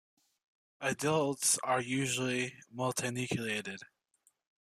Adults are usually multinucleated.